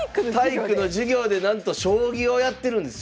体育の授業でなんと将棋をやってるんですよ。